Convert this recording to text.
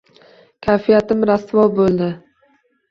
Kayfiyatim rasvo bo‘ldi